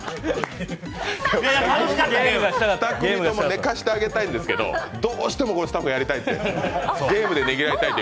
２組とも寝かせてあげたいんですけど、どうしてもスタッフがやりたいってゲームでねぎらいたいって。